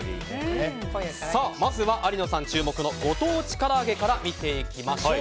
まずは、有野さん注目のご当地から揚げから見ていきましょう。